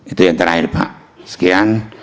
itu yang terakhir pak sekian